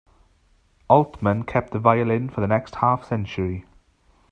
Altman kept the violin for the next half century.